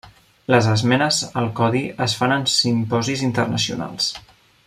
Les esmenes al codi es fan en simposis internacionals.